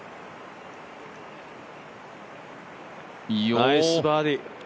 ナイスバーディー。